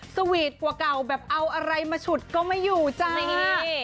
สวีทกว่าเก่าแบบเอาอะไรมาฉุดก็ไม่อยู่ใจ